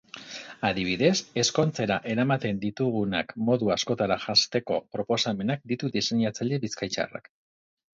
Adibidez, ezkontzera eramaten ditugunak modu askotara janzteko proposamenak ditu diseinatzaile bizkaitarrak.